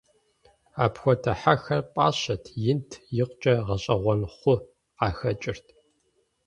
Апхуэдэ хьэхэр пӀащэт, инт, икъукӀэ гъэщӀэгъуэн хъу къахэкӀырт.